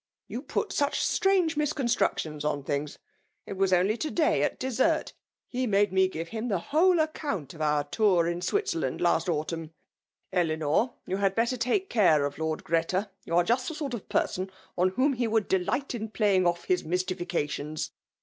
*' You pxLt such strange misconatructions on thm^. It was only to day^ at dessert^ he made me give him the whcdc account of oar tour in Bwitzeilaiid last autunm/' £Unor, you had better take care of Lord €rreta. You are just the sort of person on whom he would delight in playing off his mystifications."